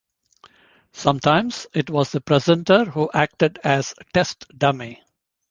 Sometimes it was the presenter who acted as test dummy.